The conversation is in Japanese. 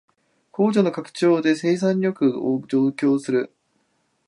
工場の拡張で生産力を増強する